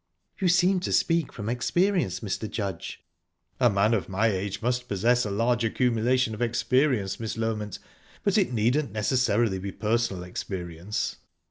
"You seem to speak from experience, Mr. Judge?" "A man of my age must possess a large accumulation of experience, Miss Loment, but it needn't necessarily be personal experience."